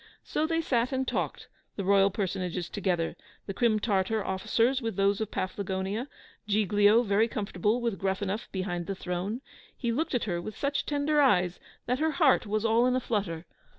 So they sat and talked, the royal personages together, the Crim Tartar officers with those of Paflagonia Giglio very comfortable with Gruffanuff behind the throne. He looked at her with such tender eyes, that her heart was all in a flutter.